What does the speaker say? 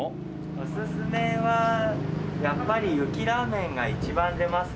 おすすめはやっぱりゆきラーメンが一番出ますね。